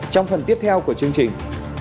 trong phần tiếp theo của chương trình